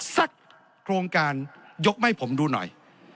โครงการยกมาให้ผมดูหน่อย